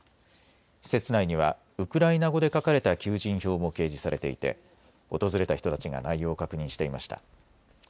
施設内にはウクライナ語で書かれた求人票も掲示されていて訪れた人たちが内容を確認していました。